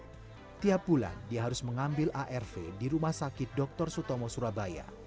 setiap bulan dia harus mengambil arv di rumah sakit dr sutomo surabaya